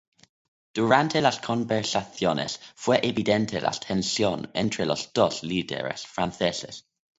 Durante las conversaciones fue evidente la tensión entre los dos líderes franceses.